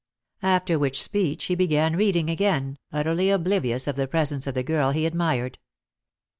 After which speech he began reading again, utterly oblivious of the presence of the girl he admired.